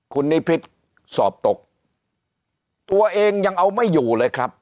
คุณนิพิษสอบตกตัวเองยังเอาไม่อยู่เลยครับ